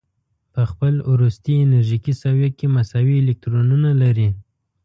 په خپل وروستي انرژیکي سویه کې مساوي الکترونونه لري.